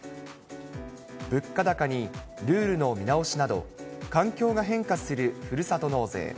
物価高にルールの見直しなど、環境が変化するふるさと納税。